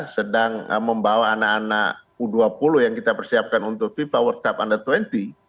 sedang membawa anak anak u dua puluh yang kita persiapkan untuk fifa world cup under dua puluh